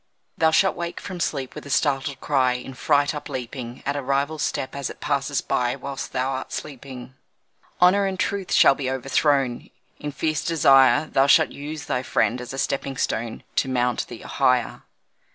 Thou shalt wake from sleep with a startled cry, In fright upleaping At a rival's step as it passes by Whilst thou art sleeping. Honour and truth shall be overthrown In fierce desire; Thou shalt use thy friend as a stepping stone To mount thee higher.